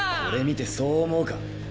これ見てそう思うか？